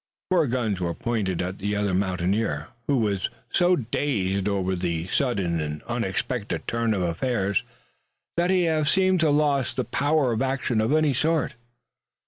Four guns were pointed at the other mountaineer, who was so dazed over the sudden and unexpected turn of affairs that he seemed to have lost power of action of any sort.